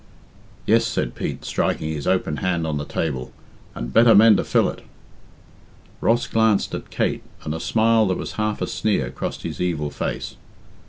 "Yes," said Pete, striking his open hand on the table, "and better men to fill it." Ross glanced at Kate, and a smile that was half a sneer crossed his evil face.